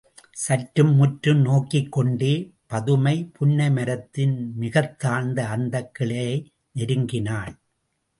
சுற்றும் முற்றும் நோக்கிக்கொண்டே பதுமை, புன்னை மரத்தின் மிகத் தாழ்ந்த அந்தக் கிளையை நெருங்கினாள்.